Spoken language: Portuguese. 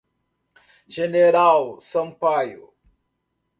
General Sampaio